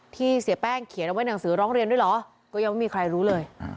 เสียแป้งเขียนเอาไว้หนังสือร้องเรียนด้วยเหรอก็ยังไม่มีใครรู้เลย